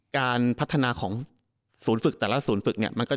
การพัฒนาสูญฝึกแต่ละสูญฝึก